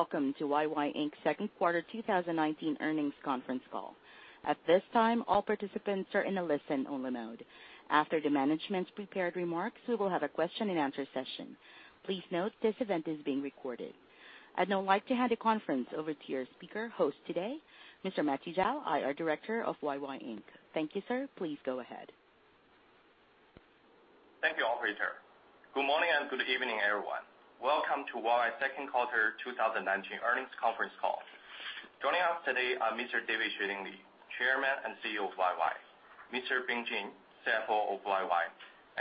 Welcome to YY Inc.'s second quarter 2019 earnings conference call. At this time, all participants are in a listen-only mode. After the management's prepared remarks, we will have a question and answer session. Please note this event is being recorded. I'd now like to hand the conference over to your speaker host today, Mr. Matthew Zhao, IR Director of YY Inc. Thank you, sir. Please go ahead. Thank you, operator. Good morning and good evening, everyone. Welcome to YY's second quarter 2019 earnings conference call. Joining us today are Mr. David Xueling Li, Chairman and CEO of YY, Mr. Bing Jin, CFO of YY,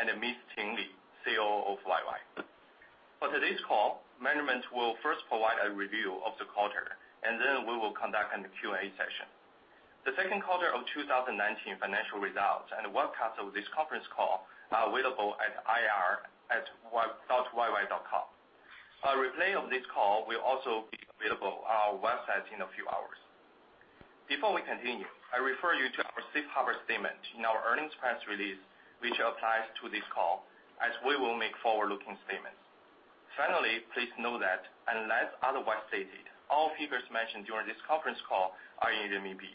and Ms. Ting Li, COO of YY. For today's call, management will first provide a review of the quarter and then we will conduct an Q&A session. The second quarter of 2019 financial results and the webcast of this conference call are available at ir.yy.com. A replay of this call will also be available on our website in a few hours. Before we continue, I refer you to our safe harbor statement in our earnings press release, which applies to this call as we will make forward-looking statements. Finally, please know that unless otherwise stated, all figures mentioned during this conference call are in renminbi.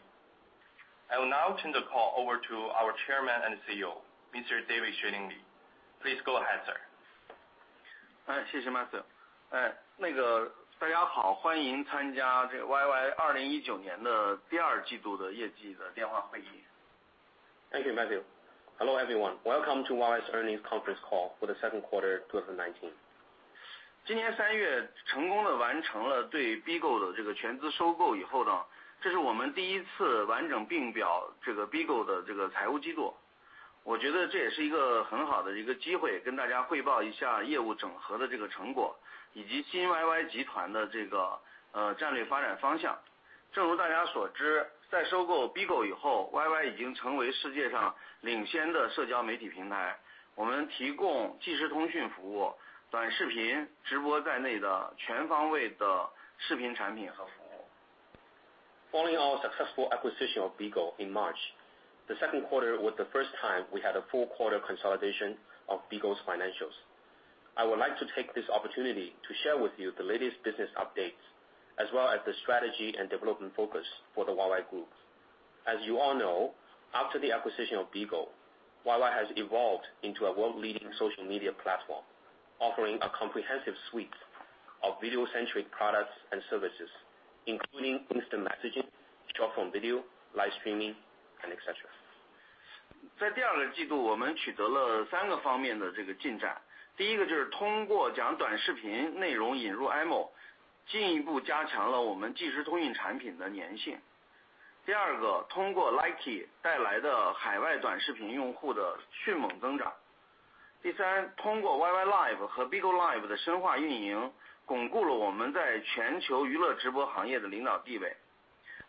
I will now turn the call over to our Chairman and CEO, Mr. David Xueling Li. Please go ahead, sir. Thank you, Matthew. Hello, everyone. Welcome to YY's earnings conference call for the second quarter 2019. Following our successful acquisition of BIGO in March, the second quarter was the first time we had a full quarter consolidation of BIGO's financials. I would like to take this opportunity to share with you the latest business updates, as well as the strategy and development focus for JOYY Inc. As you all know, after the acquisition of BIGO, YY has evolved into a world-leading social media platform, offering a comprehensive suite of video-centric products and services, including instant messaging, short-form video, live streaming, and et cetera.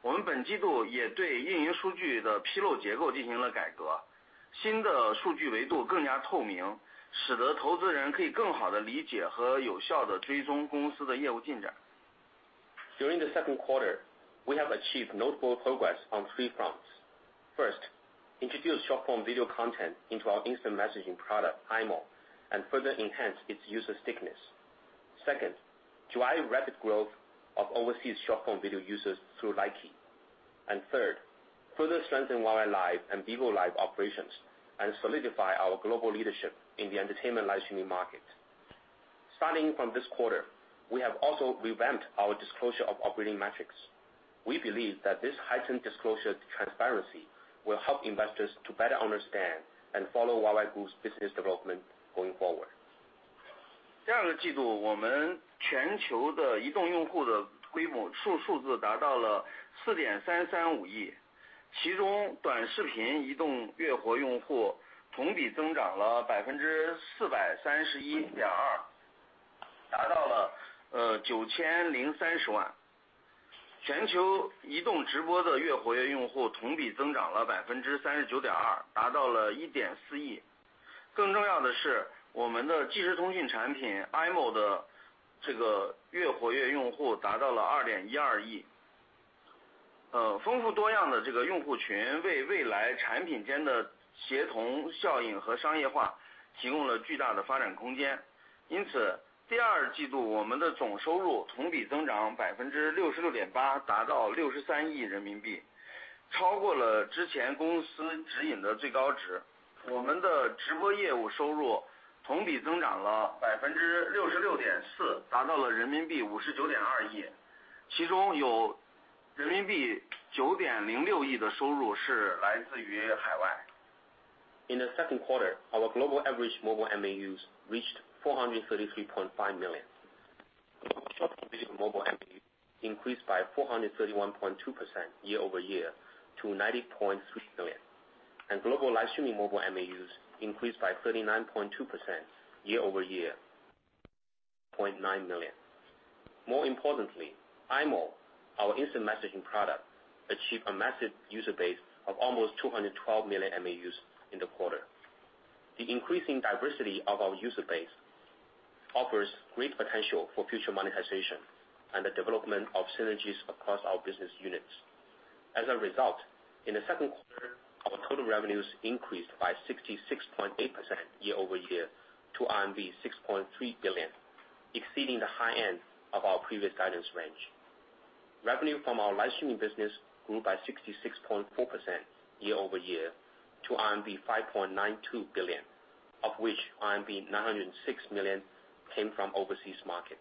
During the second quarter, we have achieved notable progress on three fronts. First, introduced short-form video content into our instant messaging product, imo, and further enhanced its user stickiness. Second, drive rapid growth of overseas short-form video users through Likee. Third, further strengthen YY Live and Bigo Live operations and solidify our global leadership in the entertainment live streaming market. Starting from this quarter, we have also revamped our disclosure of operating metrics. We believe that this heightened disclosure transparency will help investors to better understand and follow JOYY Inc.'s business development going forward. In the second quarter, our global average mobile MAUs reached 433.5 million. Short-form video mobile MAUs increased by 431.2% year-over-year to 90.3 million, and global live streaming mobile MAUs increased by 39.2% year-over-year to 1.4 million. More importantly, imo, our instant messaging product, achieved a massive user base of almost 212 million MAUs in the quarter. The increasing diversity of our user base offers great potential for future monetization and the development of synergies across our business units. As a result, in the second quarter, our total revenues increased by 66.8% year-over-year to RMB 6.3 billion, exceeding the high end of our previous guidance range. Revenue from our live streaming business grew by 66.4% year-over-year to RMB 5.92 billion, of which RMB 906 million came from overseas markets.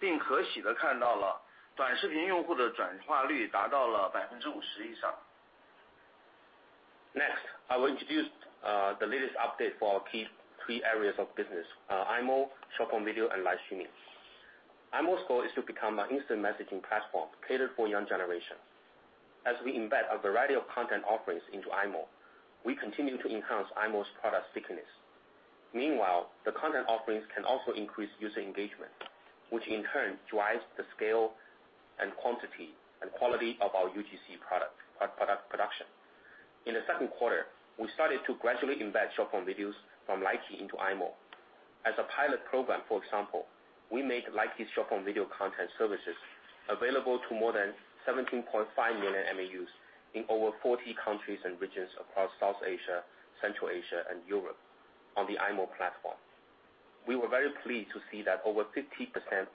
Next, I will introduce the latest update for our key three areas of business: imo, short-form video and live streaming. imo's goal is to become an instant messaging platform catered for young generation. As we embed a variety of content offerings into imo, we continue to enhance imo's product thickness. Meanwhile, the content offerings can also increase user engagement, which in turn drives the scale and quantity and quality of our UGC production. In the second quarter, we started to gradually embed short-form videos from Likee into imo. As a pilot program, for example, we made Likee short-form video content services available to more than 17.5 million MAUs in over 40 countries and regions across South Asia, Central Asia and Europe on the imo platform. We were very pleased to see that over 50%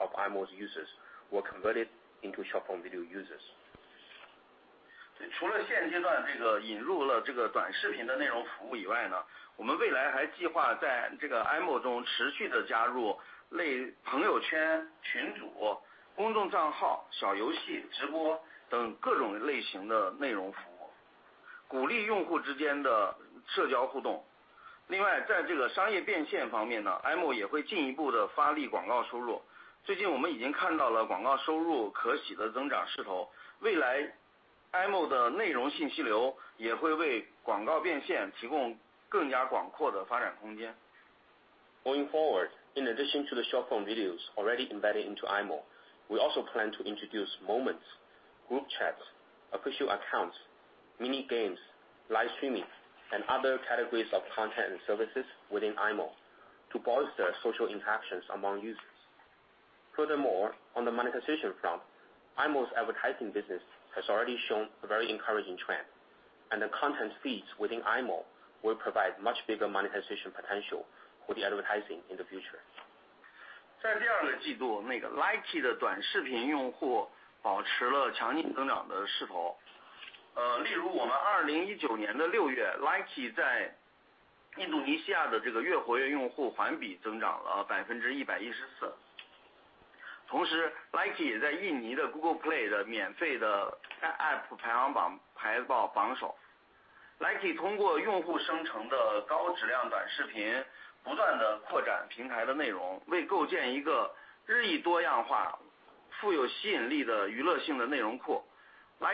of imo's users were converted into short-form video users. 除了现阶段引入了短视频的内容服务以外，我们未来还计划在imo中持续地加入朋友圈、群组、公众账号、小游戏、直播等各种类型的内容服务，鼓励用户之间的社交互动。另外，在商业变现方面，imo也会进一步地发力广告收入。最近我们已经看到了广告收入可喜的增长势头。未来imo的内容信息流也会为广告变现提供更加广阔的发展空间。Going forward, in addition to the short-form videos already embedded into imo, we also plan to introduce moments, group chats, official accounts, mini games, live streaming and other categories of content and services within imo to bolster social interactions among users. Furthermore, on the monetization front, imo's advertising business has already shown a very encouraging trend, and the content feeds within imo will provide much bigger monetization potential for the advertising in the future. In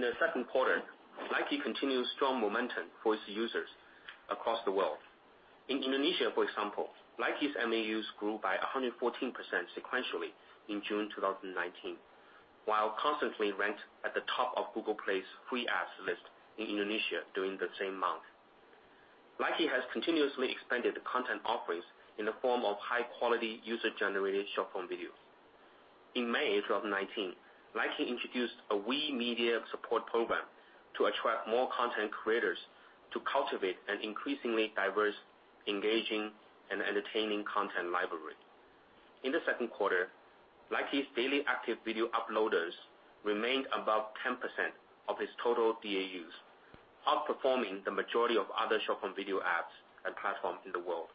the second quarter, Likee continued strong momentum for its users across the world. In Indonesia, for example, Likee's MAUs grew by 114% sequentially in June 2019, while constantly ranked at the top of Google Play's free apps list in Indonesia during the same month. Likee has continuously expanded the content offerings in the form of high-quality, user-generated short-form video. In May 2019, Likee introduced a WeMedia support program to attract more content creators to cultivate an increasingly diverse, engaging and entertaining content library. In the second quarter, Likee's daily active video uploaders remained above 10% of its total DAUs, outperforming the majority of other short-form video apps and platforms in the world.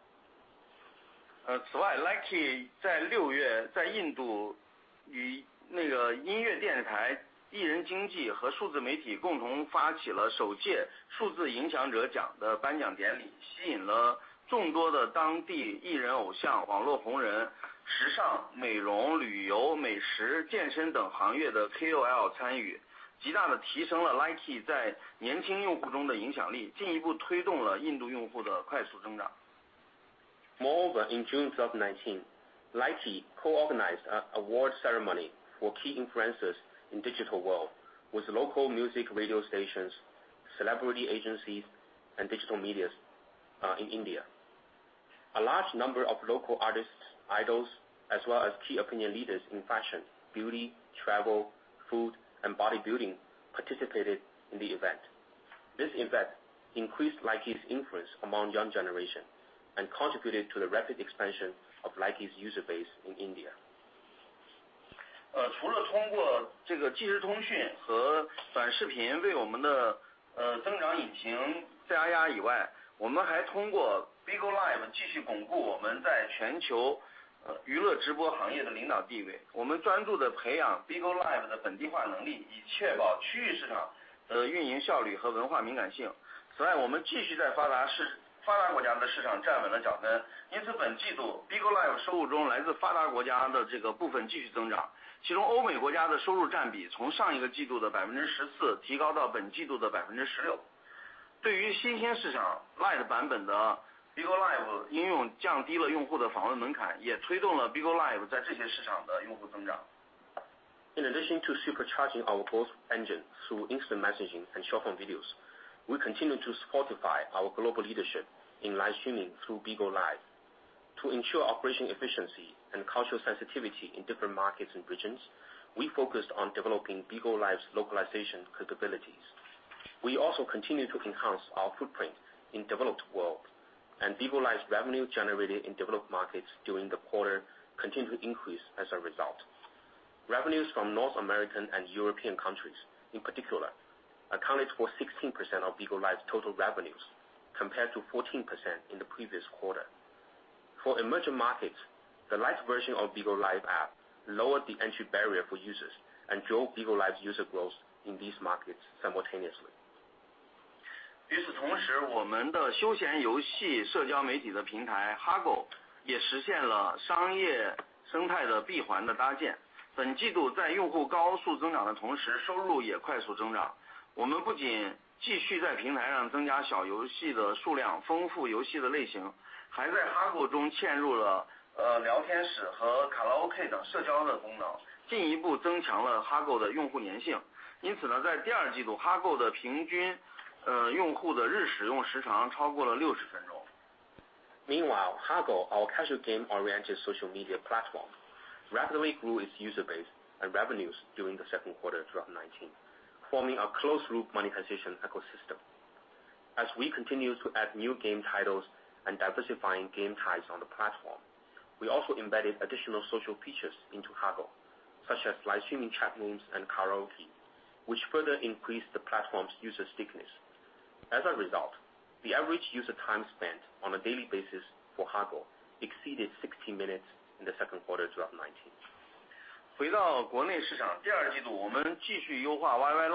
此外，Likee在6月在印度与音乐电台、艺人经纪和数字媒体共同发起了首届数字影响者奖的颁奖典礼，吸引了众多的当地艺人、偶像、网络红人、时尚、美容、旅游、美食、健身等行业的KOL参与，极大地提升了Likee在年轻用户中的影响力，进一步推动了印度用户的快速增长。Moreover, in June 2019, Likee co-organized an award ceremony for key influencers in digital world with local music radio stations, celebrity agencies, and digital medias in India. A large number of local artists, idols, as well as key opinion leaders in fashion, beauty, travel, food and bodybuilding participated in the event. This event increased Likee's influence among young generation and contributed to the rapid expansion of Likee's user base in India. 除了通过即时通讯和短视频为我们的增长引擎加压以外，我们还通过Bigo Live继续巩固我们在全球娱乐直播行业的领导地位。我们专注地培养Bigo Live的本地化能力，以确保区域市场的运营效率和文化敏感性。此外，我们继续在发达国家的市场站稳了脚跟。因此本季度Bigo Live收入中来自发达国家的部分继续增长，其中欧美国家的收入占比从上一个季度的14%提高到本季度的16%。对于新兴市场，BIGO LIVE Lite版本的应用降低了用户的访问门槛，也推动了Bigo Live在这些市场的用户增长。In addition to supercharging our growth engine through instant messaging and short-form videos, we continue to fortify our global leadership in live streaming through BIGO LIVE. To ensure operation efficiency and cultural sensitivity in different markets and regions, we focused on developing BIGO LIVE's localization capabilities. We also continue to enhance our footprint in developed world and BIGO LIVE revenue generated in developed markets during the quarter continued to increase as a result. Revenues from North American and European countries in particular accounted for 16% of BIGO LIVE's total revenues, compared to 14% in the previous quarter. For emerging markets, the Lite version of BIGO LIVE app lowered the entry barrier for users and drove BIGO LIVE user growth in these markets simultaneously. Meanwhile, Hago, our casual game-oriented social media platform, rapidly grew its user base and revenues during the second quarter of 2019, forming a closed-loop monetization ecosystem. As we continue to add new game titles and diversifying game types on the platform, we also embedded additional social features into Hago, such as live streaming chat rooms and karaoke, which further increased the platform's user stickiness. As a result, the average user time spent on a daily basis for Hago exceeded 60 minutes in the second quarter of 2019. 回到国内市场，第二季度我们继续优化YY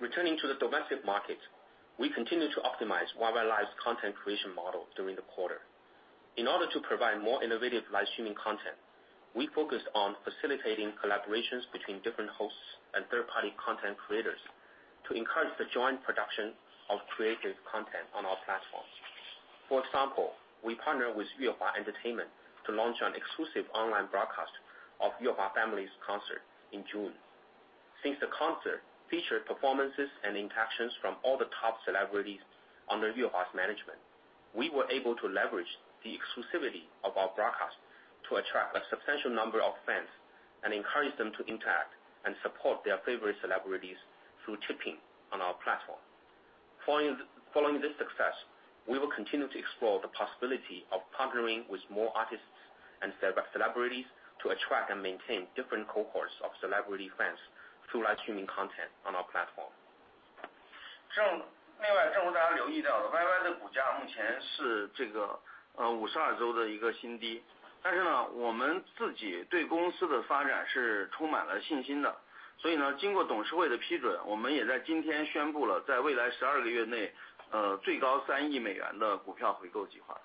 Returning to the domestic market, we continue to optimize YY Live's content creation model during the quarter. In order to provide more innovative live streaming content, we focused on facilitating collaborations between different hosts and third-party content creators to encourage the joint production of creative content on our platform. For example, we partnered with Yuehua Entertainment to launch an exclusive online broadcast of Yuehua Family's concert in June. Since the concert featured performances and interactions from all the top celebrities under Yuehua's management, we were able to leverage the exclusivity of our broadcast to attract a substantial number of fans and encourage them to interact and support their favorite celebrities through tipping on our platform. Following this success, we will continue to explore the possibility of partnering with more artists and celebrities to attract and maintain different cohorts of celebrity fans through live streaming content on our platform. 另外，正如大家留意到的，YY的股价目前是52周的一个新低，但是我们自己对公司的发展是充满了信心的。所以经过董事会的批准，我们也在今天宣布了在未来12个月内最高3亿美元的股票回购计划。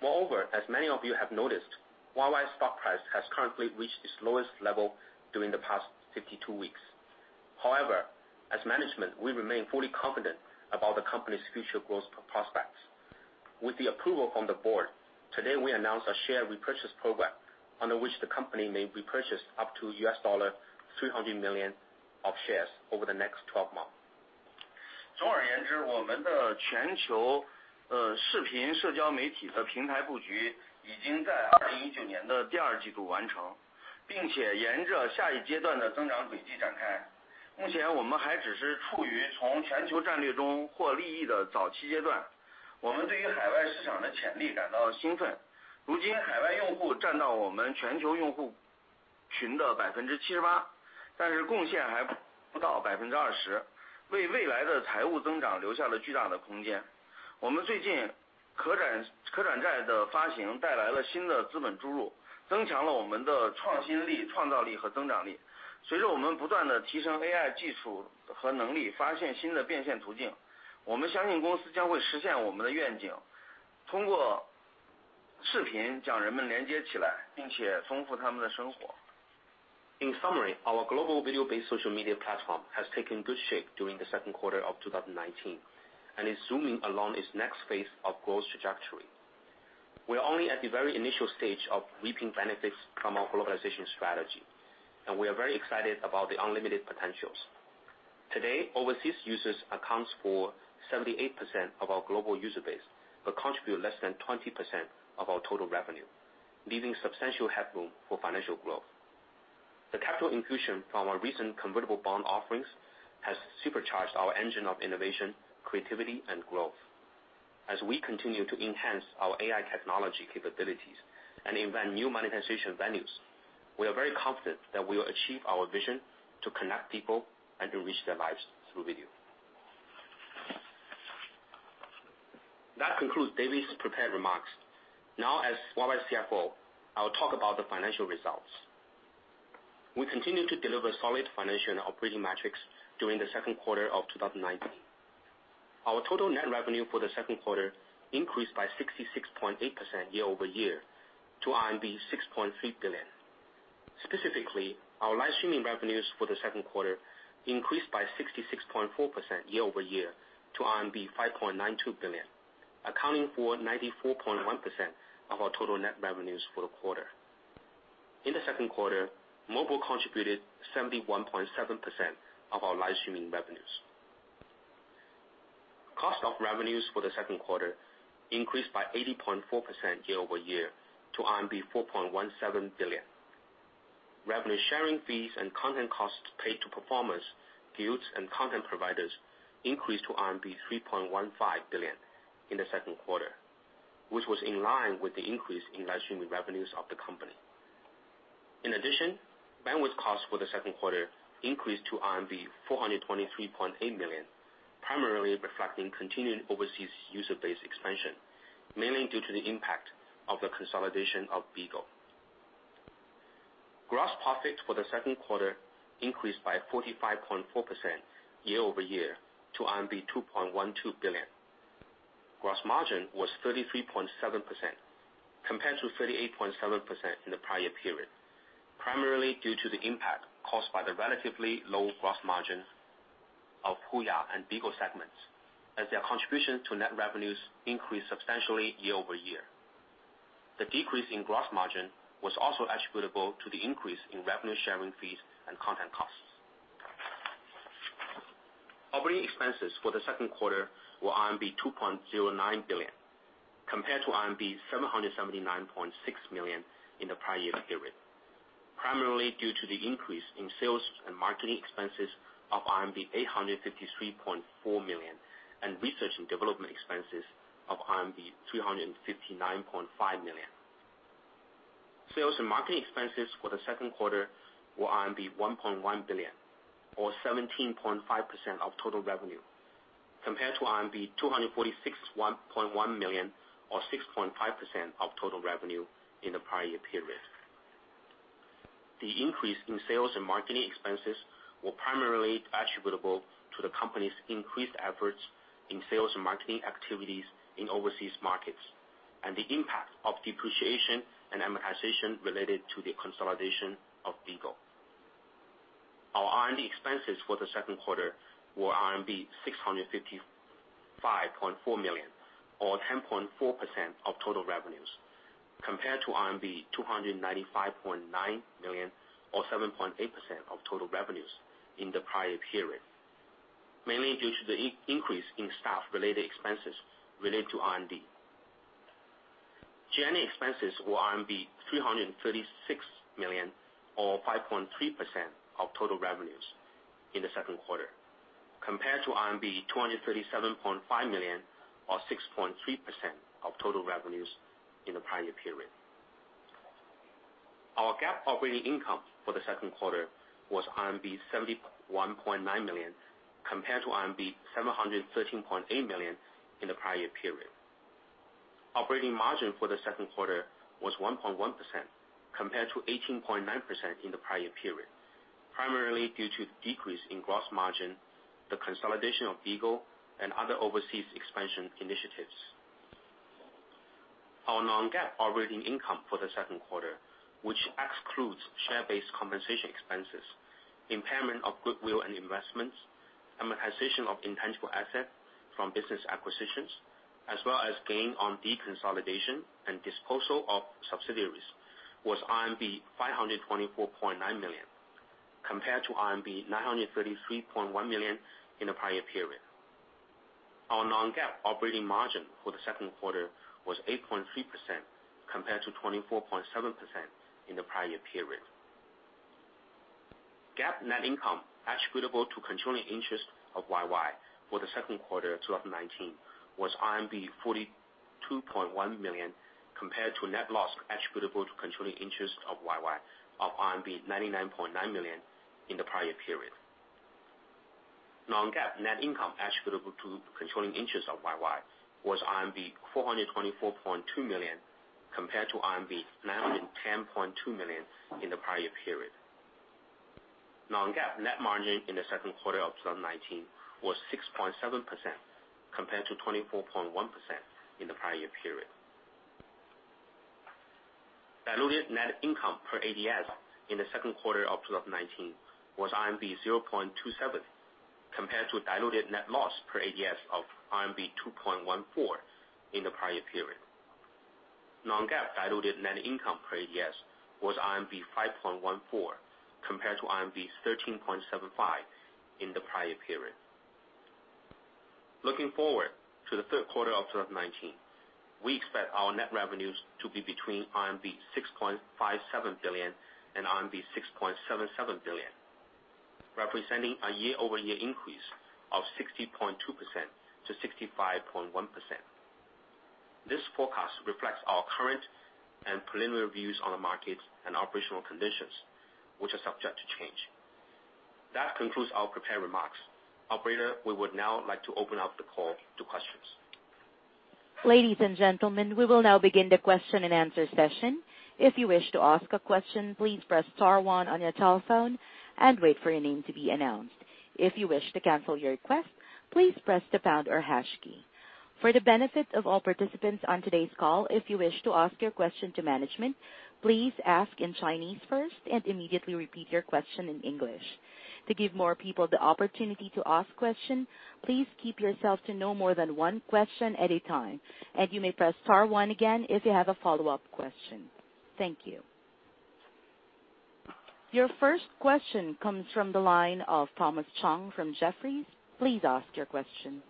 As many of you have noticed, YY's stock price has currently reached its lowest level during the past 52 weeks. As management, we remain fully confident about the company's future growth prospects. With the approval from the board, today we announced a share repurchase program under which the company may repurchase up to US$300 million of shares over the next 12 months. We are only at the very initial stage of reaping benefits from our globalization strategy, and we are very excited about the unlimited potentials. Today, overseas users accounts for 78% of our global user base, but contribute less than 20% of our total revenue, leaving substantial headroom for financial growth. The capital infusion from our recent convertible bond offerings has supercharged our engine of innovation, creativity, and growth. As we continue to enhance our AI technology capabilities and invent new monetization venues, we are very confident that we will achieve our vision to connect people and to reach their lives through video. That concludes David's prepared remarks. Now as YY CFO, I will talk about the financial results. We continue to deliver solid financial operating metrics during the second quarter of 2019. Our total net revenue for the second quarter increased by 66.8% year-over-year to RMB 6.3 billion. Specifically, our live streaming revenues for the second quarter increased by 66.4% year-over-year to RMB 5.92 billion, accounting for 94.1% of our total net revenues for the quarter. In the second quarter, mobile contributed 71.7% of our live streaming revenues. Cost of revenues for the second quarter increased by 80.4% year-over-year to RMB 4.17 billion. Revenue sharing fees and content costs paid to performers, guilds, and content providers increased to RMB 3.15 billion in the second quarter, which was in line with the increase in live streaming revenues of the company. In addition, bandwidth costs for the second quarter increased to RMB 423.8 million, primarily reflecting continued overseas user base expansion, mainly due to the impact of the consolidation of BIGO. Gross profit for the second quarter increased by 45.4% year-over-year to RMB 2.12 billion. Gross margin was 33.7% compared to 38.7% in the prior period, primarily due to the impact caused by the relatively low gross margin of HUYA and BIGO segments as their contributions to net revenues increased substantially year-over-year. The decrease in gross margin was also attributable to the increase in revenue sharing fees and content costs. Operating expenses for the second quarter were RMB 2.09 billion, compared to RMB 779.6 million in the prior year period, primarily due to the increase in sales and marketing expenses of RMB 853.4 million and research and development expenses of RMB 359.5 million. Sales and marketing expenses for the second quarter were RMB 1.1 billion or 17.5% of total revenue, compared to RMB 246.1 million or 6.5% of total revenue in the prior year period. The increase in sales and marketing expenses were primarily attributable to the company's increased efforts in sales and marketing activities in overseas markets and the impact of depreciation and amortization related to the consolidation of BIGO. Our R&D expenses for the second quarter were RMB 655.4 million or 10.4% of total revenues compared to RMB 295.9 million or 7.8% of total revenues in the prior period, mainly due to the increase in staff-related expenses related to R&D. GA&A expenses were RMB 336 million or 5.3% of total revenues in the second quarter compared to RMB 237.5 million or 6.3% of total revenues in the prior year period. Our GAAP operating income for the second quarter was RMB 71.9 million compared to RMB 713.8 million in the prior year period. Operating margin for the second quarter was 1.1% compared to 18.9% in the prior period, primarily due to the decrease in gross margin, the consolidation of BIGO, and other overseas expansion initiatives. Our non-GAAP operating income for the second quarter, which excludes share-based compensation expenses, impairment of goodwill and investments, amortization of intangible asset from business acquisitions, as well as gain on deconsolidation and disposal of subsidiaries, was RMB 524.9 million, compared to RMB 933.1 million in the prior period. Our non-GAAP operating margin for the second quarter was 8.3% compared to 24.7% in the prior year period. GAAP net income attributable to continuing interest of YY for the second quarter of 2019 was RMB 42.1 million, compared to net loss attributable to continuing interest of YY of RMB 99.9 million in the prior period. Non-GAAP net income attributable to continuing interest of YY was RMB 424.2 million, compared to RMB 910.2 million in the prior period. Non-GAAP net margin in the second quarter of 2019 was 6.7%, compared to 24.1% in the prior period. Diluted net income per ADS in the second quarter of 2019 was RMB 0.27, compared to diluted net loss per ADS of RMB 2.14 in the prior period. Non-GAAP diluted net income per ADS was RMB 5.14, compared to RMB 13.75 in the prior period. Looking forward to the third quarter of 2019, we expect our net revenues to be between RMB 6.57 billion and RMB 6.77 billion, representing a year-over-year increase of 60.2% to 65.1%. This forecast reflects our current and preliminary views on the market and operational conditions, which are subject to change. That concludes our prepared remarks. Operator, we would now like to open up the call to questions. Ladies and gentlemen, we will now begin the question-and-answer session. If you wish to ask a question, please press star one on your telephone and wait for your name to be announced. If you wish to cancel your request, please press the pound or hash key. For the benefit of all participants on today's call, if you wish to ask your question to management, please ask in Chinese first and immediately repeat your question in English. To give more people the opportunity to ask questions, please keep yourself to no more than one question at a time, and you may press star one again if you have a follow-up question. Thank you. Your first question comes from the line of Thomas Chong from Jefferies. Please ask your question.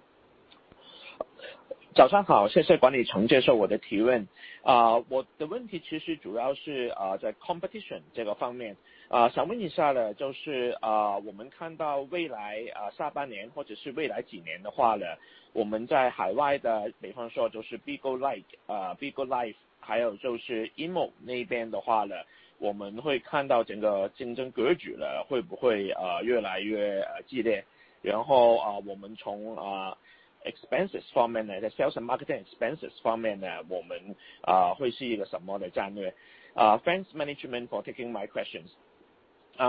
Thanks, management, for taking my questions.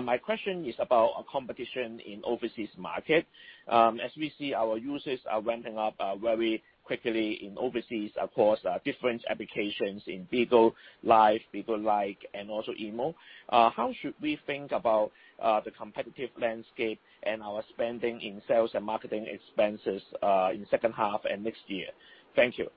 My question is about competition in overseas markets. As we see, our users are ramping up very quickly in overseas across different applications in Bigo Live, Likee, and also imo. How should we think about the competitive landscape and our spending in sales and marketing expenses in the second half and next year? Thank you.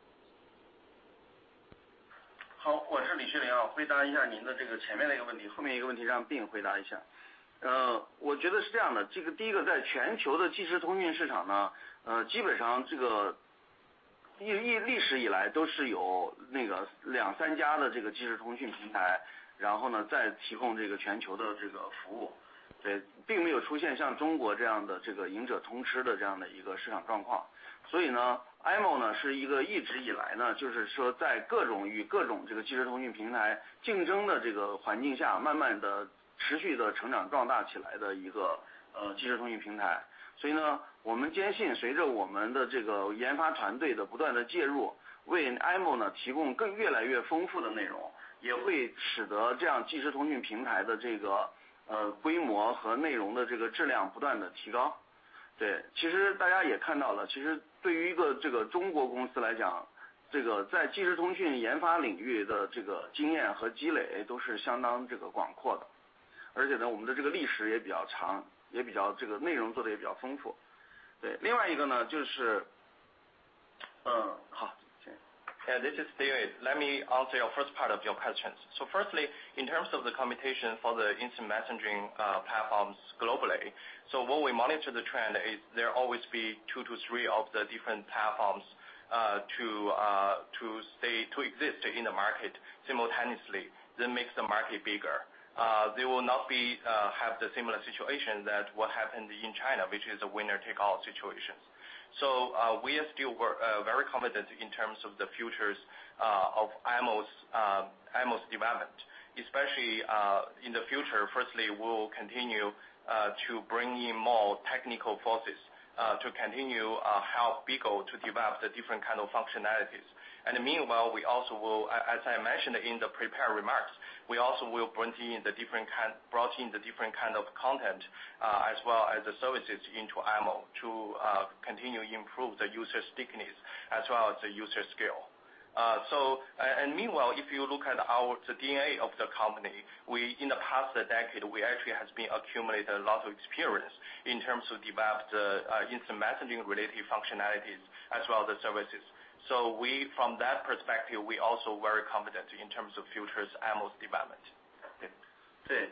This is David. Let me answer your first part of your questions. Firstly, in terms of the competition for the instant messaging platforms globally, what we monitor the trend is there always be 2 to 3 of the different platforms to exist in the market simultaneously. That makes the market bigger. There will not be have the similar situation that what happened in China, which is a winner-take-all situation. We are still very confident in terms of the futures of IMO's development, especially in the future. Firstly, we will continue to bring in more technical forces to continue help BIGO to develop the different kind of functionalities. Meanwhile, as I mentioned in the prepared remarks, we also will brought in the different kind of content as well as the services into IMO to continue improve the user stickiness as well as the user scale. Meanwhile, if you look at the DNA of the company, we in the past decade, we actually has been accumulated a lot of experience in terms of develop the instant messaging related functionalities as well the services. From that perspective, we also very confident in terms of future IMO's development. Okay.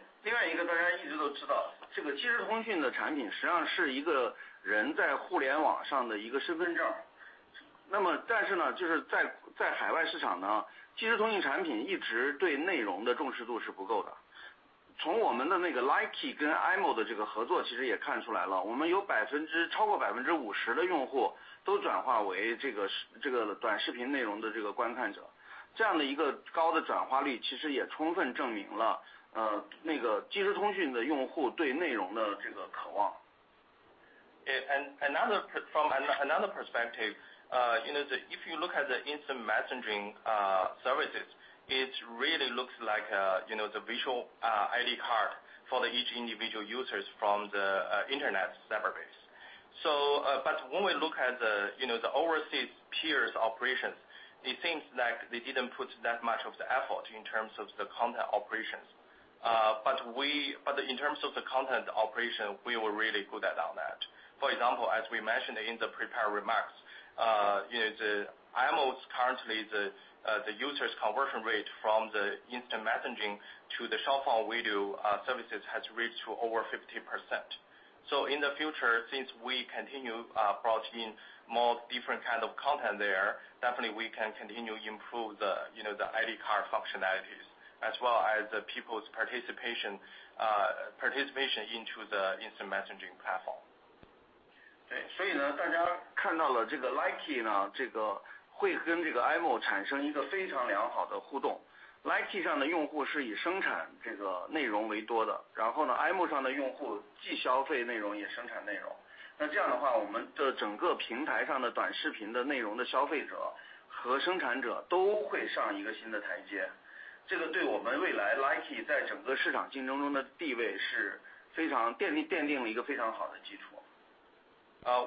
但是就是在海外市场，即时通讯产品一直对内容的重视度是不够的。从我们的Likee跟imo的合作其实也看出来了，我们有超过50%的用户都转化为短视频内容的观看者。这样的高的转化率其实也充分证明了即时通讯的用户对内容的渴望。From another perspective, if you look at the instant messaging services, it really looks like the visual ID card for each individual user from the internet database. When we look at the overseas peers operations, it seems like they didn't put that much of the effort in terms of the content operations. In terms of the content operation, we were really good at that. For example, as we mentioned in the prepared remarks, imo currently the users conversion rate from the instant messaging to the short-form video services has reached over 50%. In the future, since we continue bringing more different kinds of content there, definitely we can continue to improve the ID card functionalities as well as people's participation into the instant messaging platform.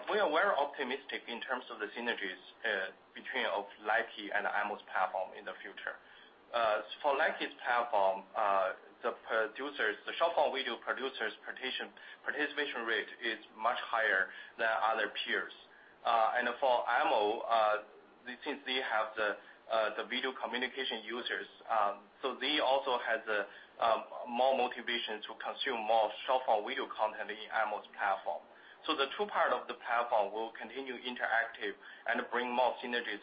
We are very optimistic in terms of the synergies between Likee and imo's platform in the future. For Likee's platform, the short-form video producers participation rate is much higher than other peers. For imo, since they have the video communication users, they also have more motivation to consume more short-form video content in imo's platform. The two parts of the platform will continue interactive and bring more synergies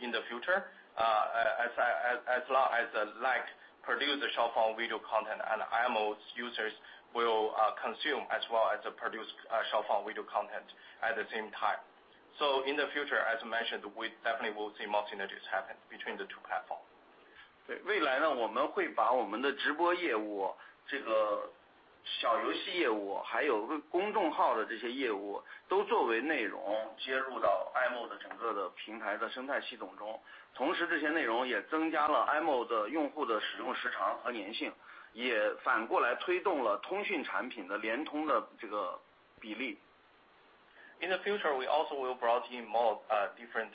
in the future, as Likee produce short-form video content and imo's users will consume as well as produce short-form video content at the same time. In the future, as mentioned, we definitely will see more synergies happen between the two platforms. 未来我们会把我们的直播业务、小游戏业务，还有公众号的这些业务都作为内容接入到imo整个的平台的生态系统中。同时这些内容也增加了imo的用户的使用时长和粘性，也反过来推动了通讯产品的联通的比例。In the future, we also will bring in more different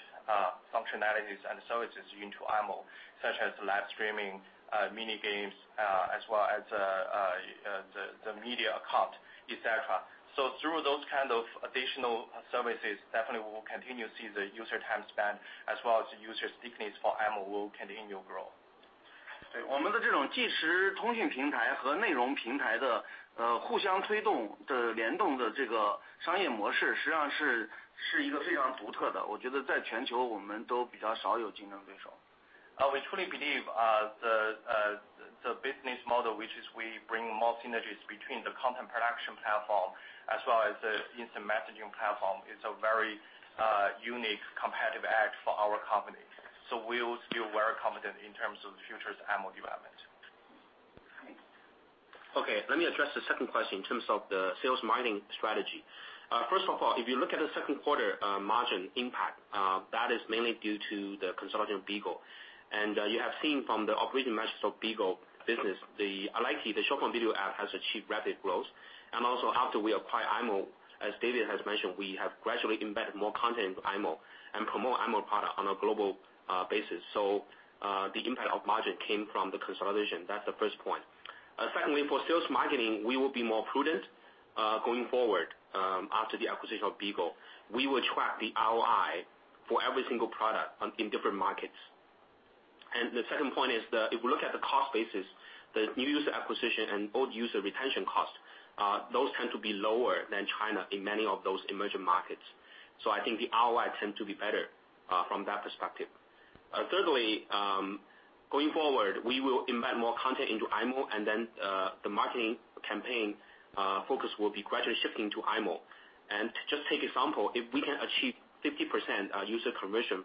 functionalities and services into imo, such as live streaming, mini games, as well as the media account, etc. Through those kinds of additional services, definitely we will continue to see the user time spent as well as user stickiness for imo will continue to grow. 我们的这种即时通讯平台和内容平台的互相推动的联动的商业模式，实际上是一个非常独特的，我觉得在全球我们都比较少有竞争对手。We truly believe the business model, which is we bring more synergies between the content production platform as well as the instant messaging platform, is a very unique competitive edge for our company. We feel very confident in terms of the future of imo development. Okay, let me address the second question in terms of the sales and marketing strategy. First of all, if you look at the second quarter margin impact, that is mainly due to the consolidation of BIGO. You have seen from the operating margins of BIGO business, the Likee, the short-form video app has achieved rapid growth. Also after we acquired imo, as David has mentioned, we have gradually embedded more content into imo and promote imo product on a global basis. The impact of margin came from the consolidation. That's the first point. Secondly, for sales and marketing, we will be more prudent going forward after the acquisition of BIGO. We will track the ROI for every single product in different markets. The second point is that if we look at the cost basis, the new user acquisition and old user retention cost, those tend to be lower than China in many of those emerging markets. I think the ROI tends to be better from that perspective. Thirdly, going forward, we will embed more content into imo, and then the marketing campaign focus will be gradually shifting to imo. Just take example, if we can achieve 50% user conversion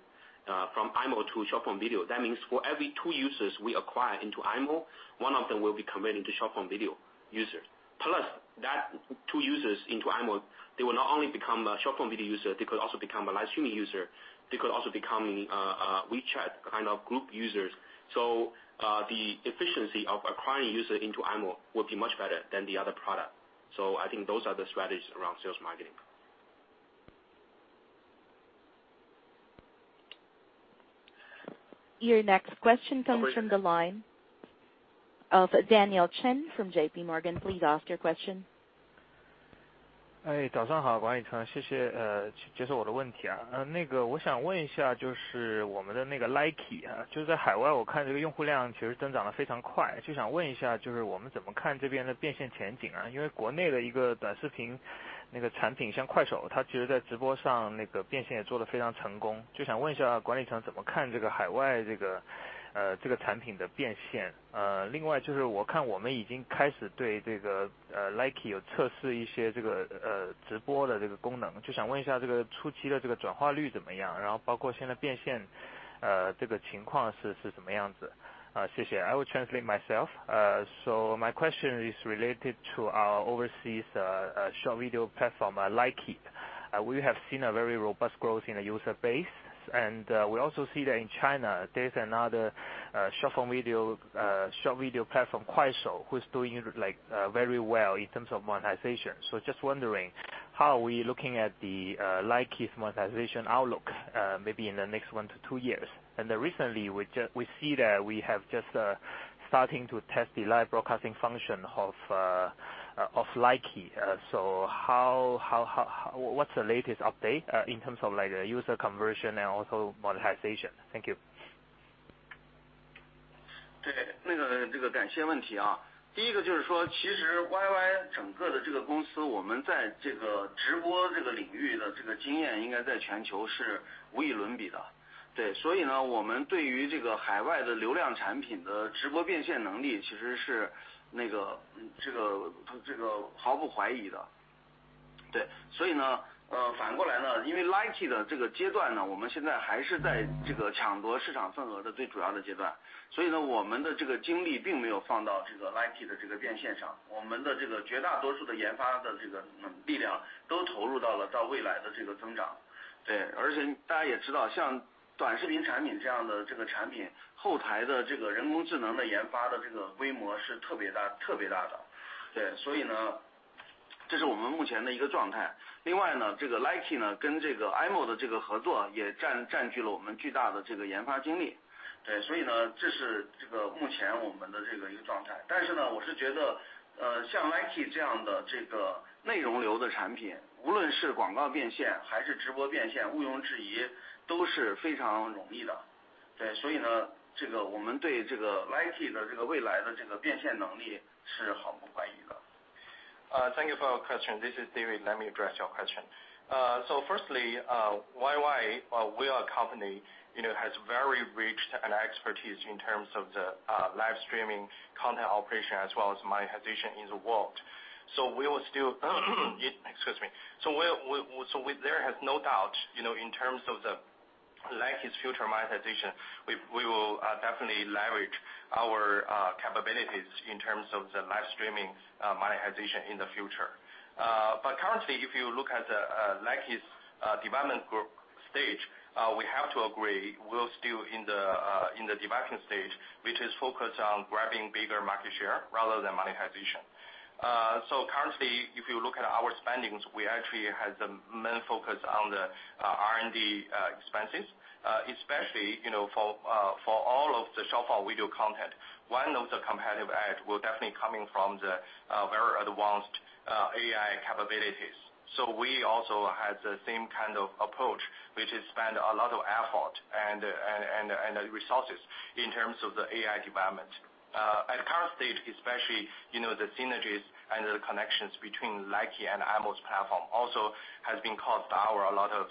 from imo to short-form video, that means for every two users we acquire into imo, one of them will be converted into short-form video users. Plus that two users into imo, they will not only become a short-form video user, they could also become a live streaming user, they could also become WeChat group users. The efficiency of acquiring users into imo will be much better than the other product. I think those are the strategies around sales and marketing. Your next question comes from the line of Daniel Chen from J.P. Morgan. Please ask your question. 早上好，王毅称。谢谢接受我的问题。我想问一下，我们的Likee在海外我看用户量其实增长得非常快，想问一下，我们怎么看这边的变现前景？因为国内的一个短视频产品像快手，它其实在直播上变现也做得非常成功。就想问一下管理层怎么看海外这个产品的变现。另外我看我们已经开始对Likee有测试一些直播的功能，就想问一下初期的转化率怎么样，包括现在变现的情况是什么样子。谢谢。I will translate myself. So my question is related to our overseas short video platform, Likee. We have seen a very robust growth in the user base, and we also see that in China, there is another short video platform, 快手, who is doing very well in terms of monetization. So just wondering, how are we looking at the Likee's monetization outlook, maybe in the next one to two years? Recently, we see that we have just starting to test the live broadcasting function of Likee. What's the latest update in terms of user conversion and also monetization? Thank you. Thank you for your question. This is David, let me address your question. Firstly, YY as a company has very rich expertise in terms of the live streaming content operation as well as monetization in the world. we will still, excuse me. there has no doubt in terms of Likee's future monetization, we will definitely leverage our capabilities in terms of the live streaming monetization in the future. Currently, if you look at Likee's development group stage, we have to agree we are still in the development stage, which is focused on grabbing bigger market share rather than monetization. Currently, if you look at our spendings, we actually have the main focus on the R&D expenses, especially for all of the short video content. One of the competitive edge will definitely coming from the very advanced AI capabilities. We also have the same kind of approach, which is spend a lot of effort and resources in terms of the AI development. At current stage especially, the synergies and the connections between Likee and imo's platform also has been caused our a lot of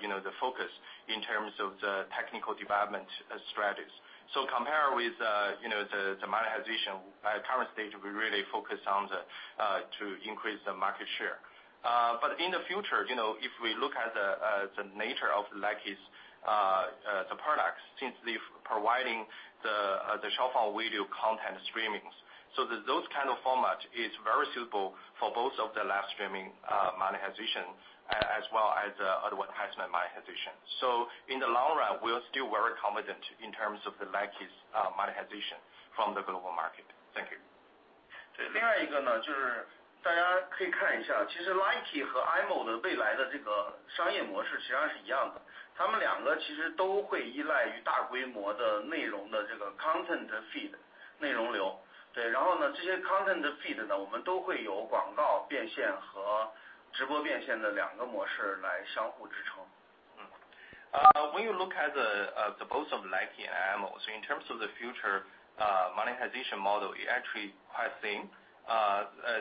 the focus in terms of the technical development strategies. Compare with the monetization at current stage, we really focus on to increase the market share. In the future, if we look at the nature of Likee products, since they providing the short video content streamings, those kind of format is very suitable for both of the live streaming monetization as well as advertisement monetization. In the long run, we are still very confident in terms of Likee's monetization from the global market. Thank you. 另外一个就是大家可以看一下，其实Likee和imo未来的商业模式实际上是一样的，它们两个其实都会依赖于大规模的内容的content feed，内容流。这些content feed我们都会有广告变现和直播变现的两个模式来相互支撑。When you look at both Likee and imo, in terms of the future monetization model, it actually has seen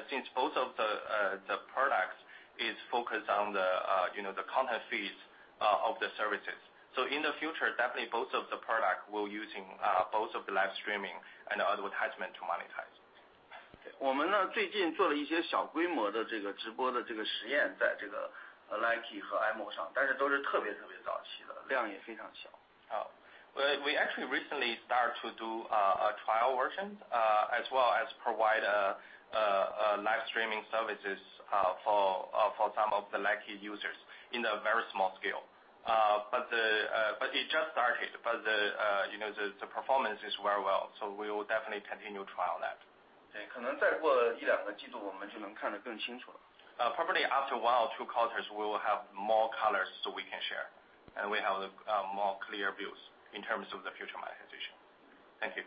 since both of the products is focused on the content feeds of the services. In the future, definitely both of the product will using both of the live streaming and advertisement to monetize. 我们最近做了一些小规模的直播的实验，在Likee和imo上，但是都是特别早期的，量也非常小。We actually recently start to do a trial version as well as provide live streaming services for some of the Likee users in a very small scale. It just started. The performance is very well, so we will definitely continue trial that. 可能再过一两个季度，我们就能看得更清楚。Probably after one or two quarters, we will have more colors so we can share, and we will have more clear views in terms of the future monetization. Thank you.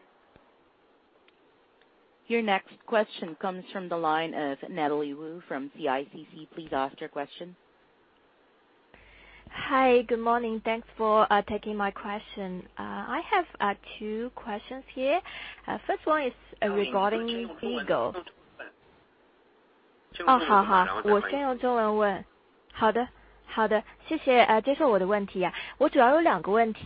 Your next question comes from the line of Natalie Wu from CICC. Please ask your question. Hi, good morning. Thanks for taking my question.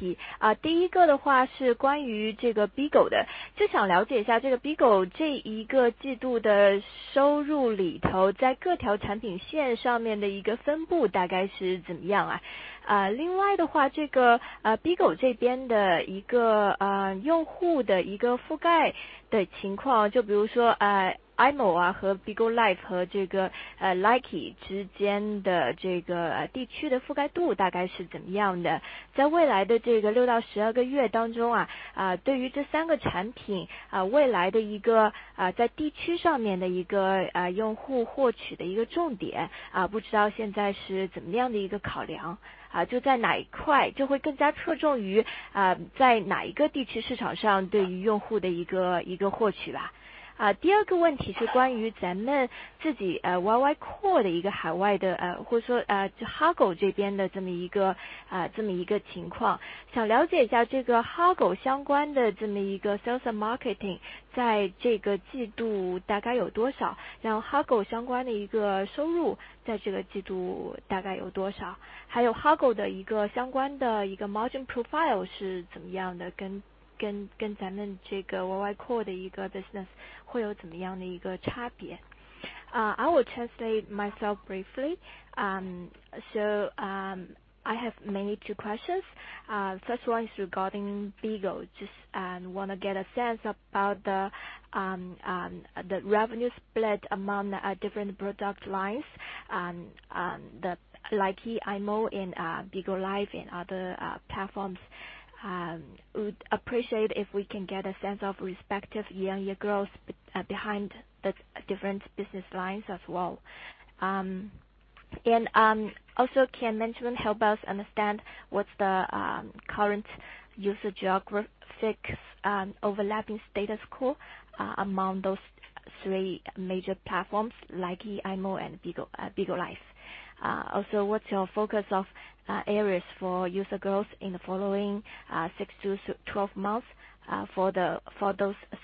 I have two questions here. First one is regarding BIGO. 我先用中文问。好的。谢谢接受我的问题。我主要有两个问题，第一个是关于BIGO的。就想了解一下BIGO这一个季度的收入里头，在各条产品线上面的分布大概是怎么样？另外，BIGO这边用户的一个覆盖的情况，就比如说imo和Bigo Live和Likee之间的地区的覆盖度大概是怎么样的？在未来的六到十二个月当中，对于这三个产品，未来的在地区上面的用户获取的重点，不知道现在是怎么样的一个考量？就会更加侧重于在哪一个地区市场上，对于用户的一个获取。第二个问题是关于咱们自己YY Live的一个海外的，或是说Hago这边的这么一个情况。想了解一下Hago相关的这么一个sales and marketing，在这个季度大概有多少？然后Hago相关的一个收入，在这个季度大概有多少？还有Hago相关的一个margin profile是怎么样的？跟咱们这个YY Live的一个business会有怎么样的一个差别？I will translate myself briefly. I have mainly two questions. First one is regarding BIGO, just want to get a sense about the revenue split among different product lines: LIKEE, imo, BIGO LIVE and other platforms. Would appreciate if we can get a sense of respective year-on-year growth behind the different business lines as well. Also, can management help us understand what's the current user geographic overlapping status quo among those three major platforms: LIKEE, imo, and BIGO LIVE? Also, what's your focus of areas for user growth in the following 6 to 12 months for those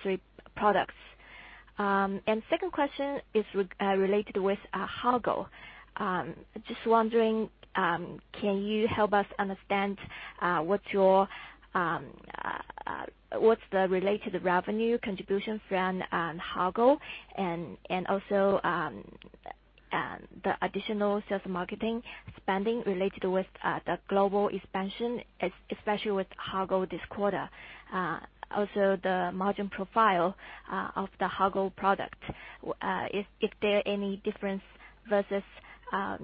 three products? Second question is related with HAGO. Just wondering, can you help us understand what's the related revenue contribution from HAGO? Also, the additional sales marketing spending related with the global expansion, especially with HAGO this quarter. Also, the margin profile of the HAGO product. Is there any difference versus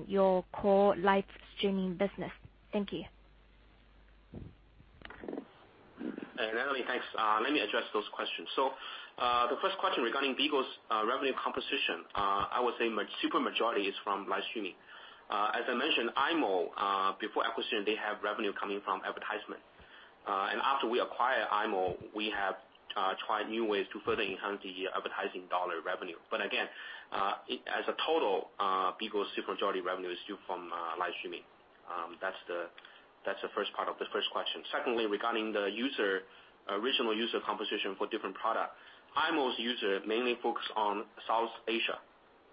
your core live streaming business? Thank you. Natalie, thanks. Let me address those questions. The first question regarding BIGO's revenue composition, I would say super majority is from live streaming. As I mentioned, imo, before acquisition, they have revenue coming from advertisement. After we acquire imo, we have tried new ways to further enhance the advertising dollar revenue. Again, as a total, BIGO's super majority revenue is due from live streaming. That's the first part of the first question. Secondly, regarding the original user composition for different product, imo's user mainly focus on South Asia.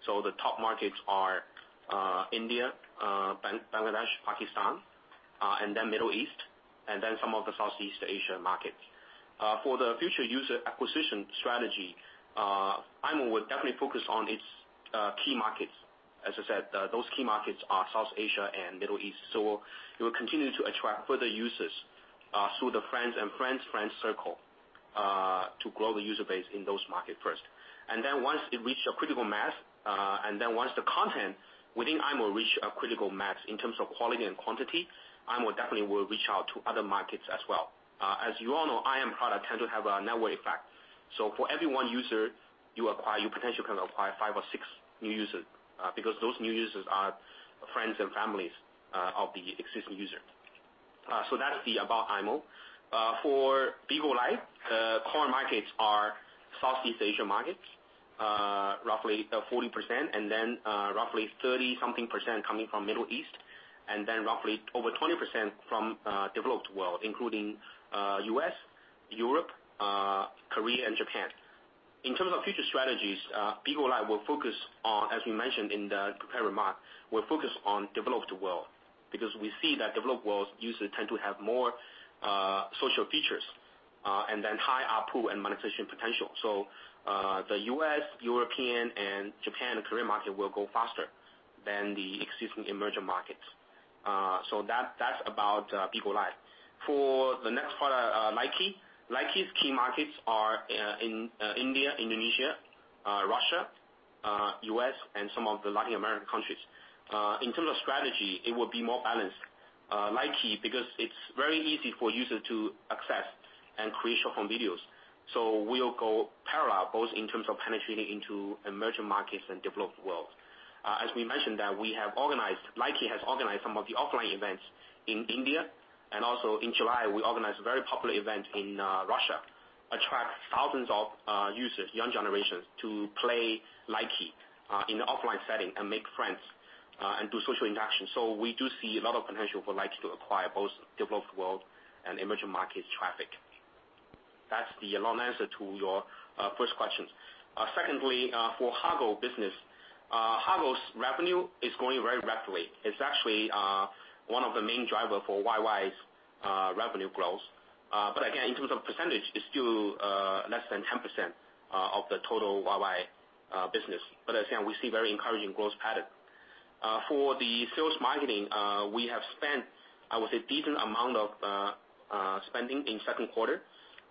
The top markets are India, Bangladesh, Pakistan, and then Middle East, and then some of the Southeast Asia markets. For the future user acquisition strategy, imo would definitely focus on its key markets. As I said, those key markets are South Asia and Middle East. It will continue to attract further users through the friends and friends' friends circle to grow the user base in those markets first. Once it reach a critical mass, once the content within imo reach a critical mass in terms of quality and quantity, imo definitely will reach out to other markets as well. As you all know, IM product tend to have a network effect. For every one user you acquire, you potentially can acquire five or six new users, because those new users are friends and families of the existing user. That's about imo. For BIGO LIVE, core markets are Southeast Asia markets, roughly 40%, and then roughly 30% something coming from Middle East, and then roughly over 20% from developed world, including U.S., Europe, Korea, and Japan. In terms of future strategies, BIGO LIVE will focus on, as we mentioned in the prepared remarks, will focus on developed world, because we see that developed world users tend to have more social features, and then high ARPU and monetization potential. The U.S., European, and Japan, and Korea market will grow faster than the existing emerging markets. That's about BIGO LIVE. For the next product, Likee. Likee's key markets are India, Indonesia, Russia, U.S., and some of the Latin American countries. In terms of strategy, it will be more balanced. Likee, because it's very easy for users to access and create short-form videos, we'll go parallel, both in terms of penetrating into emerging markets and developed world. As we mentioned that Likee has organized some of the offline events in India. Also in July, we organized a very popular event in Russia, attract thousands of users, young generations to play Likee in offline setting and make friends and do social interaction. We do see a lot of potential for Likee to acquire both developed world and emerging markets traffic. That's the long answer to your first question. For Hago business, Hago's revenue is growing very rapidly. It's actually one of the main driver for YY's revenue growth. Again, in terms of percentage, it's still less than 10% of the total YY business. As I said, we see very encouraging growth pattern. For the sales and marketing, we have spent, I would say, decent amount of spending in second quarter.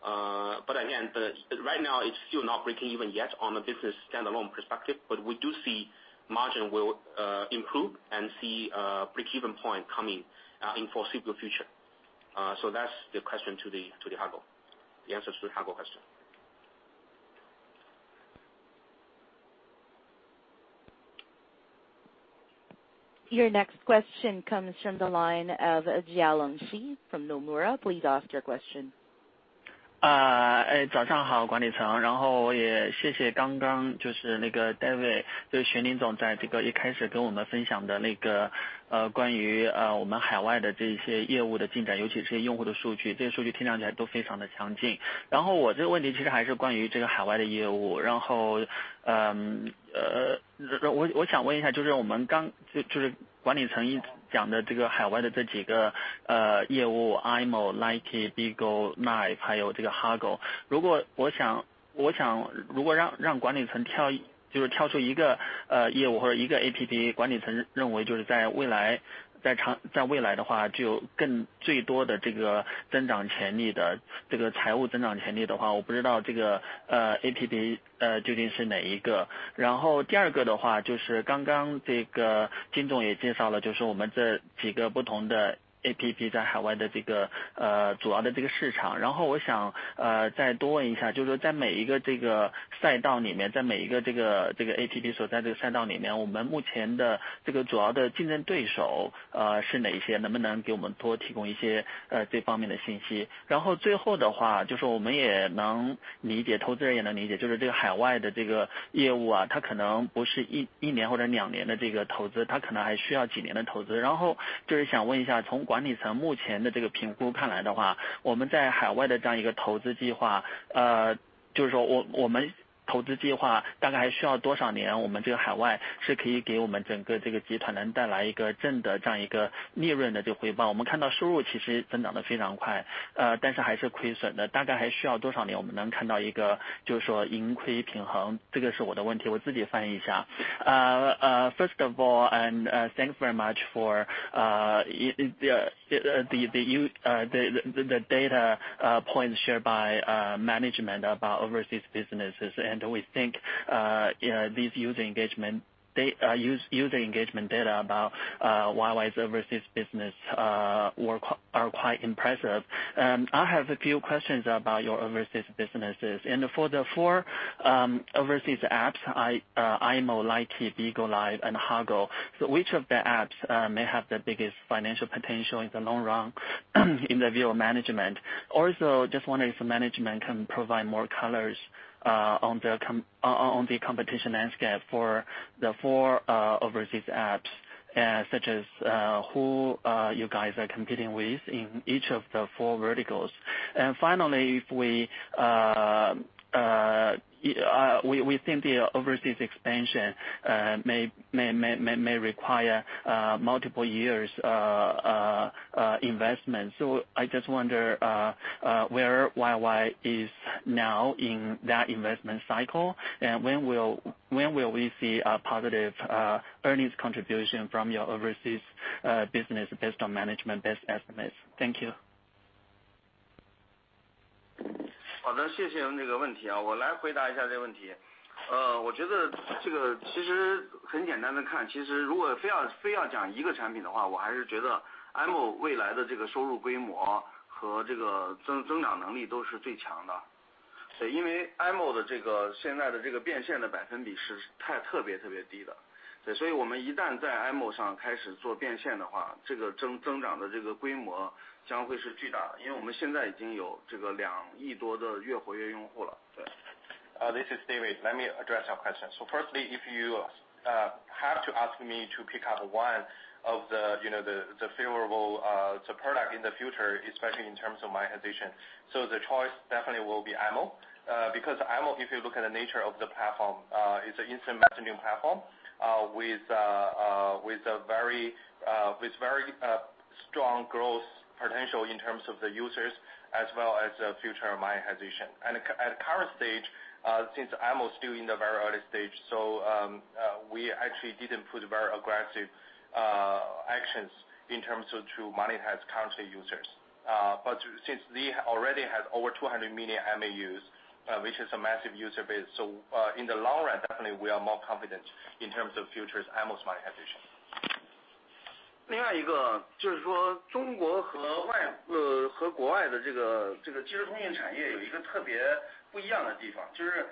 Again, right now, it's still not breaking even yet on a business standalone perspective, but we do see margin will improve and see break-even point coming in foreseeable future. That's the answer to the Hago question. Your next question comes from the line of Jialong Shi from Nomura. Please ask your question. 早上好，管理层。谢谢刚刚David，就是玄霖总在一开始跟我们分享的关于我们海外的这些业务的进展，尤其是用户的数据，这些数据听上去都非常的强劲。我这个问题其实还是关于海外的业务，我想问一下，就是管理层讲的海外的这几个业务，imo、Likee、Bigo Live，还有这个Hago。我想如果让管理层挑出一个业务或者一个APP，管理层认为在未来的话，最有财务增长潜力的话，我不知道这个APP究竟是哪一个？第二个的话，就是刚刚金总也介绍了我们这几个不同的APP在海外主要的市场，我想再多问一下，在每一个APP所在的赛道里面，我们目前的主要的竞争对手是哪一些？能不能给我们多提供一些这方面的信息？最后的话，我们也能理解，投资者也能理解，海外的业务它可能不是一年或者两年的投资，它可能还需要几年的投资。想问一下，从管理层目前的评估看来的话，我们在海外的这样一个投资计划，大概还需要多少年，海外是可以给我们整个集团能带来一个正的利润的回报？我们看到收入其实增长得非常快，但是还是亏损的，大概还需要多少年，我们能看到一个盈亏平衡。这个是我的问题，我自己翻译一下。First of all, and thanks very much for the data points shared by management about overseas businesses. We think these user engagement data about JOYY's overseas business are quite impressive. I have a few questions about your overseas businesses. For the 4 overseas apps, imo, Likee, Bigo Live and Hago. Which of the apps may have the biggest financial potential in the long run in the view of management? Also, just wondering if management can provide more colors on the competition landscape for the 4 overseas apps, such as who you guys are competing with in each of the 4 verticals. Finally, we think the overseas expansion may require multiple years investment. I just wonder where JOYY is now in that investment cycle, and when will we see a positive earnings contribution from your overseas business based on management best estimates? Thank you. 好的，谢谢您这个问题。我来回答一下这个问题。我觉得其实很简单地看，如果非要讲一个产品的话，我还是觉得imo未来的收入规模和增长能力都是最强的。因为imo现在变现的%比是特别低的。所以我们一旦在imo上开始做变现的话，增长的规模将会是巨大的，因为我们现在已经有两亿多的MAUs了。This is David. Let me address your question. Firstly, if you have to ask me to pick out one of the favorable product in the future, especially in terms of monetization. The choice definitely will be imo. imo, if you look at the nature of the platform, it's an instant messaging platform with very strong growth potential in terms of the users as well as future monetization. At current stage, since imo is still in the very early stage, so we actually didn't put very aggressive actions in terms of to monetize current users. Since they already have over 200 million MAUs, which is a massive user base. In the long run, definitely we are more confident in terms of future imo's monetization. 另外一个，就是中国和国外的技术通讯产业有一个特别不一样的地方，就是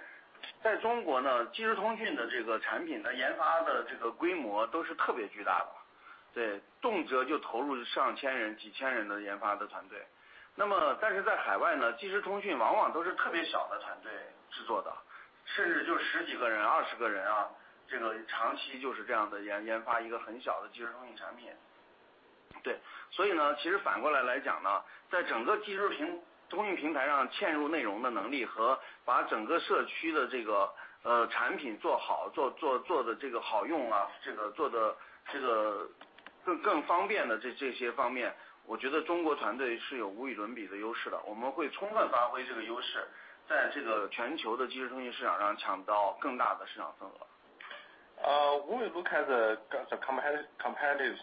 We look at the competitive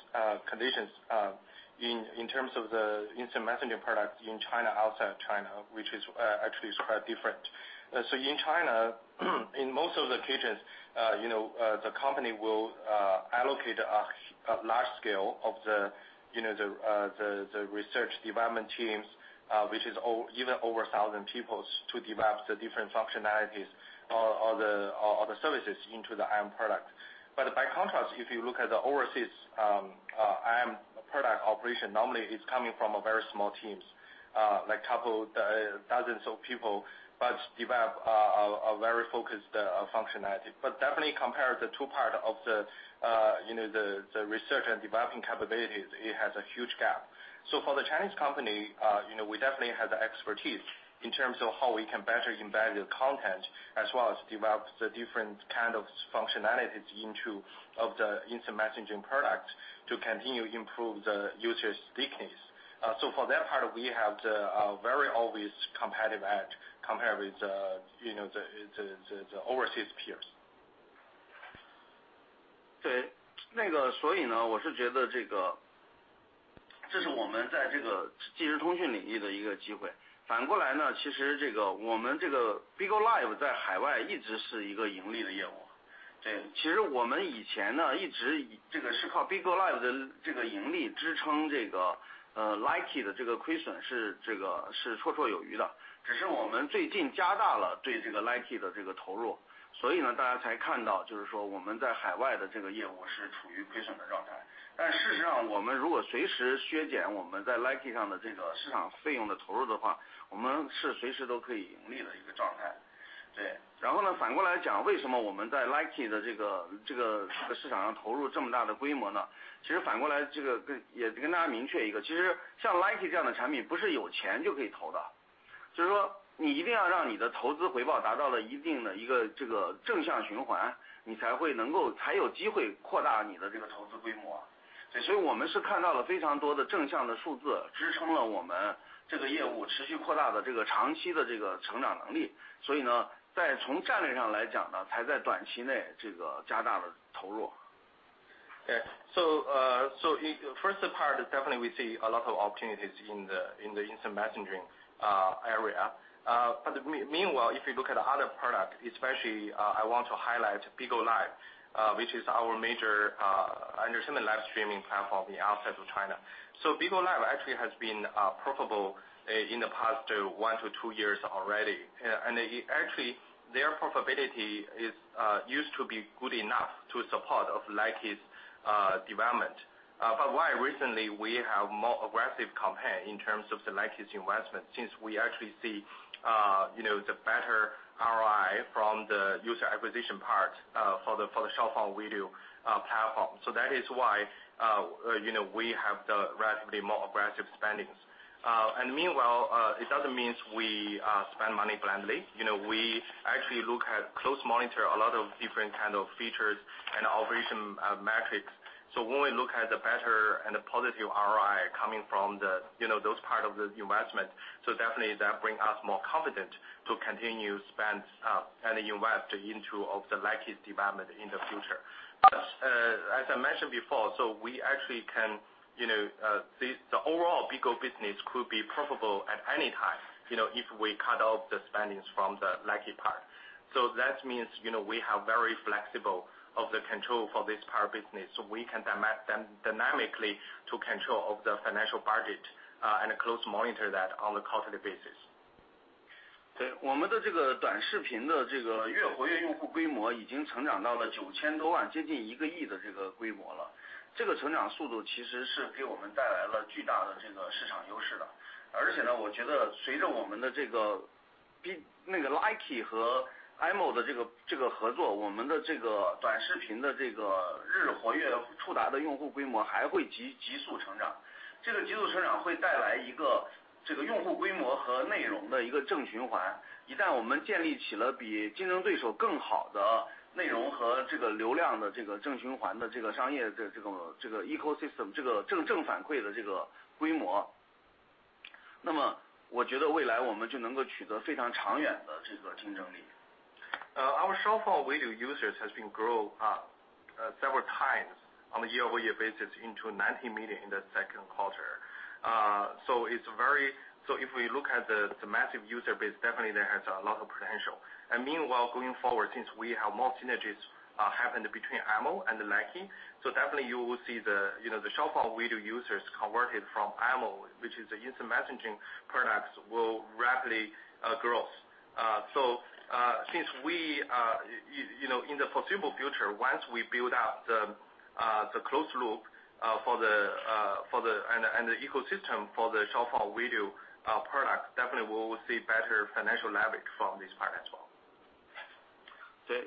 conditions in terms of the instant messaging product in China, outside of China, which is actually quite different. In China, in most of the cases, the company will allocate a large scale of the research development teams, which is even over 1,000 people to develop the different functionalities of the services into the IM product. By contrast, if you look at the overseas IM product operation, normally it's coming from a very small team, like a couple dozens of people, but develop a very focused functionality. Definitely compare the two parts of the research and developing capabilities, it has a huge gap. For the Chinese company, we definitely have the expertise in terms of how we can better embed the content as well as develop the different kinds of functionalities into the instant messaging product to continue improve the user stickiness. For that part, we have a very obvious competitive edge compared with the overseas peers. 对。所以我是觉得这是我们在即时通讯领域的一个机会。反过来，其实我们Bigo Live在海外一直是一个盈利的业务。其实我们以前一直是靠Bigo First part is definitely we see a lot of opportunities in the instant messaging area. Meanwhile, if you look at the other product, especially I want to highlight Bigo Live, which is our major entertainment live streaming platform outside of China. Bigo Live actually has been profitable in the past one to two years already. Actually their profitability used to be good enough to support Likee's development. Why recently we have more aggressive campaign in terms of the Likee's investment, since we actually see the better ROI from the user acquisition part for the XiaoHongWuYu platform. That is why we have the relatively more aggressive spendings. Meanwhile, it doesn't mean we spend money blindly. We actually look at close monitor a lot of different kind of features and operation metrics. When we look at the better and the positive ROI coming from those part of the investment, definitely that bring us more confident to continue spend and invest into the Likee's development in the future. As I mentioned before, the overall BIGO business could be profitable at any time, if we cut out the spendings from the Likee part. That means, we have very flexible of the control for this part of business. We can dynamically take control of the financial budget and close monitor that on a quarterly basis. 对，我们的短视频的月活跃用户规模已经成长到了9000多万，接近一个亿的规模了。这个成长速度其实是给我们带来了巨大的市场优势。而且我觉得随着Likee和imo的合作，我们短视频的日活跃触达用户规模还会急速成长。这个急速成长会带来一个用户规模和内容的正循环。一旦我们建立起了比竞争对手更好的内容和流量的正循环的商业ecosystem，正反馈的规模，我觉得未来我们就能够取得非常长远的竞争力。Our XiaoHongWuYu users has been grow up several times on a year-over-year basis into 90 million in the second quarter. If we look at the massive user base, definitely there has a lot of potential. Meanwhile, going forward, since we have more synergies happened between imo and Likee, so definitely you will see the XiaoHongWuYu users converted from imo, which is the instant messaging products will rapidly grow. Since in the foreseeable future, once we build out the closed loop and the ecosystem for the XiaoFa video product, definitely we will see better financial leverage from this part as well. For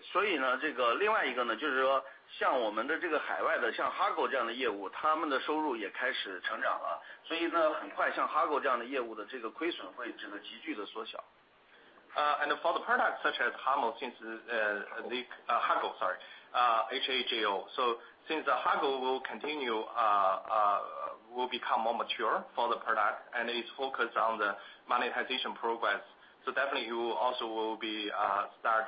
the products such as Hago, H-A-G-O. Since Hago will become more mature for the product and it is focused on the monetization progress. Definitely, you also will start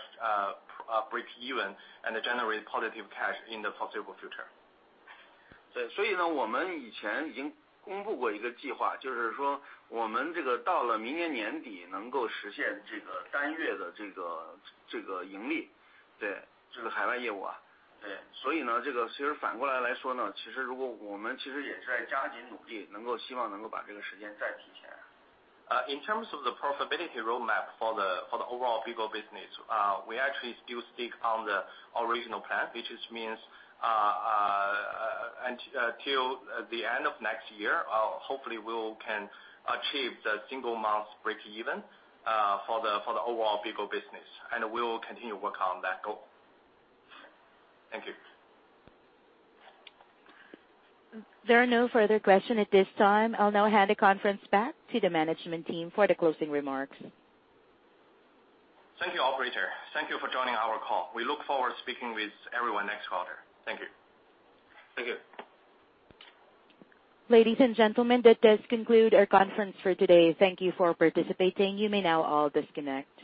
break even and generate positive cash in the foreseeable future. In terms of the profitability roadmap for the overall BIGO business, we actually still stick on the original plan, which means until the end of next year, hopefully we can achieve the single month break even for the overall BIGO business. We will continue work on that goal. Thank you. There are no further questions at this time. I'll now hand the conference back to the management team for the closing remarks. Thank you, operator. Thank you for joining our call. We look forward to speaking with everyone next quarter. Thank you. Thank you. Ladies and gentlemen, that does conclude our conference for today. Thank you for participating. You may now all disconnect.